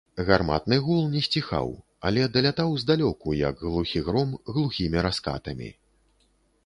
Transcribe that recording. Гарматны гул не сціхаў, але далятаў здалёку, як глухі гром, глухімі раскатамі.